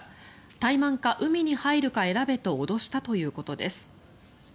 タイマンか海に入るか選べと脅したということです。